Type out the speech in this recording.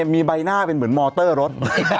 มีใบหน้าเป็นเหมือนมอเตอร์รถ